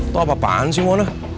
tau apa apaan sih mona